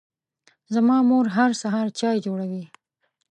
زما مور هر سهار چای جوړوي.